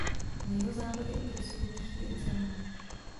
Na jihozápadě okresu je Tichý oceán.